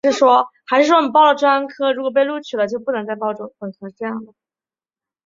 鹿角卷柏为卷柏科卷柏属下的一个种。